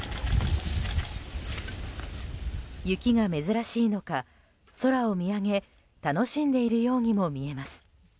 雪が珍しいのか、空を見上げ楽しんでいるようにも見えます。